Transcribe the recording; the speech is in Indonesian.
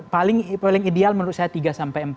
paling ideal menurut saya tiga sampai empat